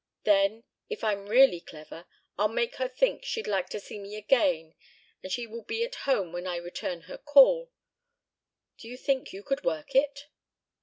Then, if I'm really clever, I'll make her think she'd like to see me again and she will be at home when I return her call. Do you think you could work it?"